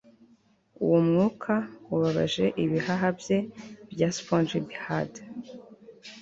uwo mwuka ubabaje ibihaha bye bya spongy bihad